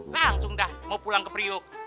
langsung dah mau pulang ke priuk